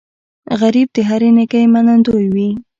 غریب د هرې نیکۍ منندوی وي